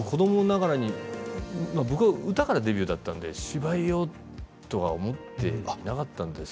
僕は歌からデビューだったので芝居をとは思っていなかったんですよね。